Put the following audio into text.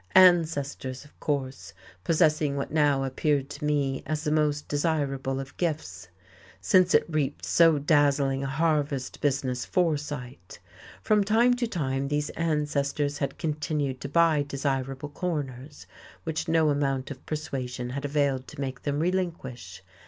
ancestors, of course, possessing what now suddenly appeared to me as the most desirable of gifts since it reaped so dazzling a harvest business foresight. From time to time these ancestors had continued to buy desirable corners, which no amount of persuasion had availed to make them relinquish.